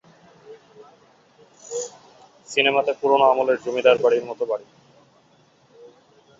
সিনেমাতে পুরনো আমলের জমিদার বাড়ির মতো বাড়ি।